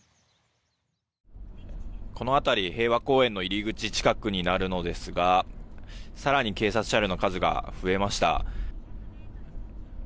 この辺り、平和公園の入り口近くになるのですが更に警察車両の数が増えました。